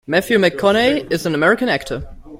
Matthew McConaughey is an American actor.